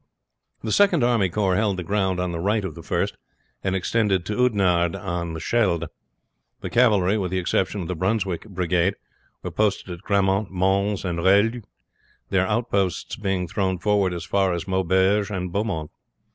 The second army corps held the ground on the right of the first, and extended to Oudenarde on the Scheldt. The cavalry, with the exception of the Brunswick brigade, were posted at Grammont, Mons, and Roeulx, their outposts being thrown forward as far as Maubeuge and Beaumont.